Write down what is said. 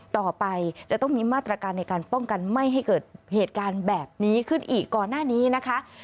ต่อไปจะต้องมีมาตรการในการป้องกันไม่ให้เกิดเหตุการณ์แบบนี้ขึ้นอีกก่อนหน้านี้นะคะ